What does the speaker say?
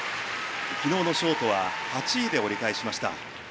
昨日のショートは８位で折り返しました。